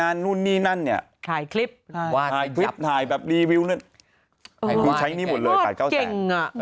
ถ่ายคลิปถ่ายรีวิววาดเก่ง